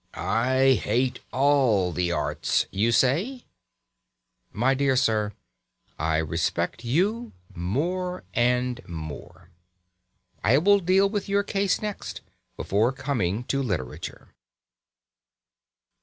"I hate all the arts!" you say. My dear sir, I respect you more and more. I will deal with your case next, before coming to literature.